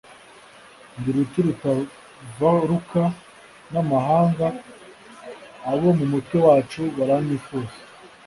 Ndi Ruti rutavaruka n'amahanga, abo mu mutwe wacu baranyifuza,